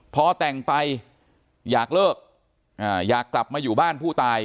พอแต่งไปอยากเลิกอยากกลับมาอยู่บ้านผู้ตาย